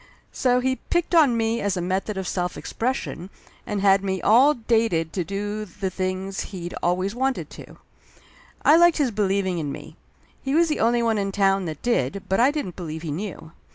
So he picked on me as a method of self expression, and had me all dated to do the things he'd always wanted to. I liked his believing in me. He was the only one in town that did, but I didn't believe he knew.